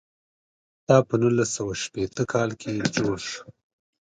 دا په نولس سوه شپېته کال کې جوړ شو.